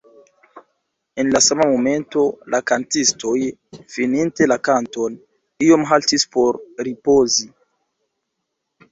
En la sama momento la kantistoj, fininte la kanton, iom haltis por ripozi.